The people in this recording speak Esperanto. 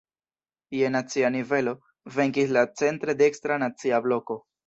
Je nacia nivelo, venkis la centre dekstra Nacia Bloko.